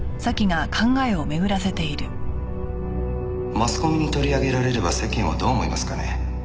マスコミに取り上げられれば世間はどう思いますかね？